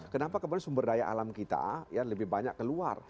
kenapa kemudian sumber daya alam kita lebih banyak keluar